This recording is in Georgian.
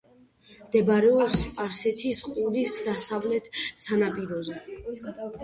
მდებარეობს სპარსეთის ყურის დასავლეთ სანაპიროზე.